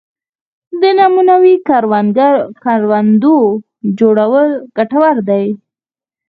د نمونوي کروندو جوړول ګټور دي